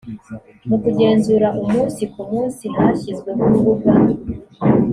mu kugenzura umunsi ku munsi hashyizweho urubuga